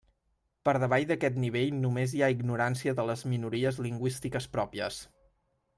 Per davall d'aquest nivell només hi ha ignorància de les minories lingüístiques pròpies.